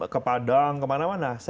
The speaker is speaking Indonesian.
ke padang kemana mana